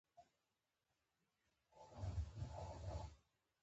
نن ورځ هوا باراني ده